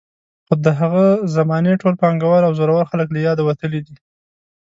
خو د هغې زمانې ټول پانګوال او زورور خلک له یاده وتلي دي.